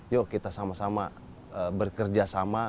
yuk kita sama sama bekerja sama